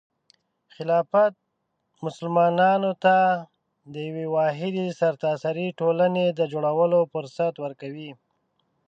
خلافت مسلمانانو ته د یوې واحدې سرتاسري ټولنې د جوړولو فرصت ورکوي.